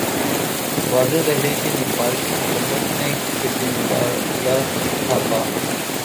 واضح رہے کہ نیپال کی حکومت نے کھجیندرا تھاپا